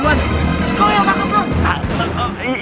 kok ada yang tangkap tuh